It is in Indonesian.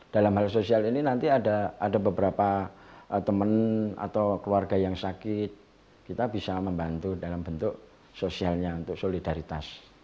dalam hal sosial ini nanti ada beberapa teman atau keluarga yang sakit kita bisa membantu dalam bentuk sosialnya untuk solidaritas